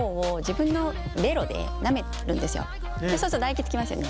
そうすると唾液つきますよね。